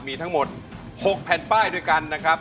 มีทั้งหมด๖แผ่นป้ายด้วยกันนะครับ